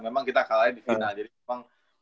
memang kita kalahnya di final jadi memang